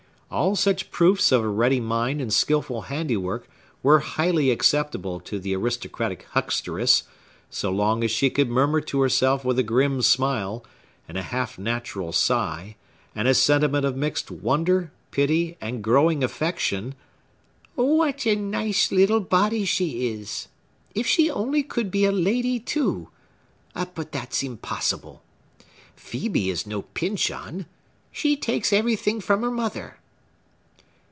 All such proofs of a ready mind and skilful handiwork were highly acceptable to the aristocratic hucksteress, so long as she could murmur to herself with a grim smile, and a half natural sigh, and a sentiment of mixed wonder, pity, and growing affection:— "What a nice little body she is! If she only could be a lady; too—but that's impossible! Phœbe is no Pyncheon. She takes everything from her mother!"